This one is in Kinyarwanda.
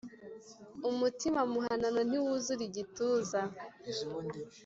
Umutima muhanano ntiwuzura igituza.